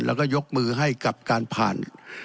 แล้วก็ยกมือให้กับการผ่าน